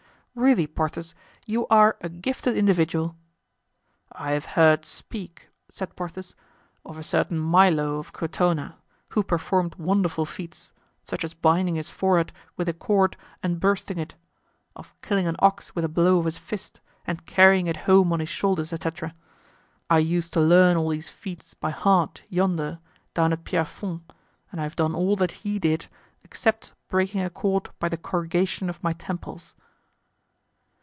"Really, Porthos, you are a gifted individual!" "I have heard speak," said Porthos, "of a certain Milo of Crotona, who performed wonderful feats, such as binding his forehead with a cord and bursting it—of killing an ox with a blow of his fist and carrying it home on his shoulders, et cetera. I used to learn all these feat by heart yonder, down at Pierrefonds, and I have done all that he did except breaking a cord by the corrugation of my temples."